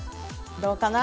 どうかな？